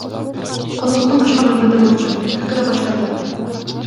Колуктум башка бөлмөдө болчу, кыйкыра баштады.